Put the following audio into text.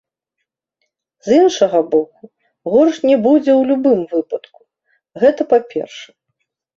З іншага боку, горш не будзе ў любым выпадку, гэта па-першае.